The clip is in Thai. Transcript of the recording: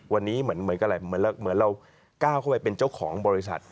วันนี้เหมือนกับอะไรเหมือนเราก้าวเข้าไปเป็นเจ้าของบริษัท